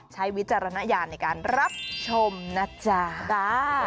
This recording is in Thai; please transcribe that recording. วิจารณญาณในการรับชมนะจ๊ะ